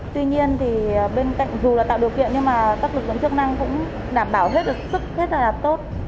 tuy nhiên thì bên cạnh dù là tạo điều kiện nhưng mà các lực lượng chức năng cũng đảm bảo hết được sức hết là tốt